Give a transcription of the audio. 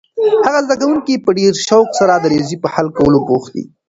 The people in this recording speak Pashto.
هغه زده کوونکی په ډېر شوق سره د ریاضي په حل کولو بوخت دی.